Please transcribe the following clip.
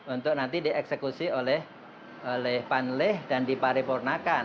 untuk nanti dieksekusi oleh panlih dan diparipurnakan